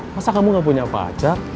masa kamu gak punya pajak